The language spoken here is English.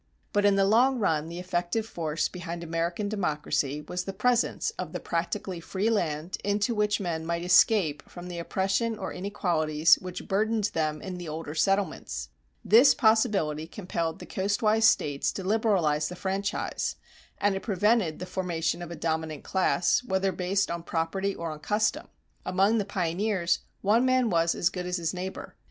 But in the long run the effective force behind American democracy was the presence of the practically free land into which men might escape from oppression or inequalities which burdened them in the older settlements. This possibility compelled the coastwise States to liberalize the franchise; and it prevented the formation of a dominant class, whether based on property or on custom. Among the pioneers one man was as good as his neighbor.